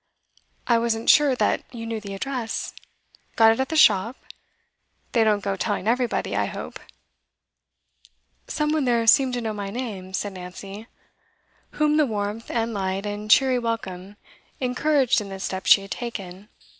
'I wasn't sure that you knew the address. Got it at the shop? They don't go telling everybody, I hope ' 'Some one there seemed to know my name,' said Nancy, whom the warmth and light and cheery welcome encouraged in the step she had taken.